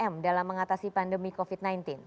tiga m dalam mengatasi pandemi covid sembilan belas